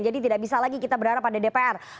jadi tidak bisa lagi kita berharap pada dpr